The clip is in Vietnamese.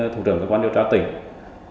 thủ tưởng cơ quan điều tra tỉnh